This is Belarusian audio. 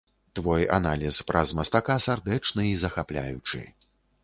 Твой аналіз праз мастака сардэчны і захапляючы.